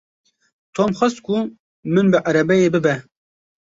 Tom xwest ku min bi erebeyê bibe.